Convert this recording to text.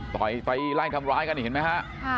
ต่อยไล่ทำร้ายกันเห็นไหมคะ